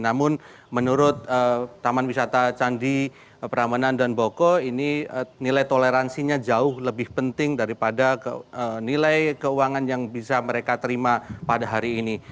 namun menurut taman wisata candi prambanan dan boko ini nilai toleransinya jauh lebih penting daripada nilai keuangan yang bisa mereka terima pada hari ini